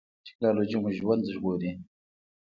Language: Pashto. ټیکنالوژي مو ژوند ژغوري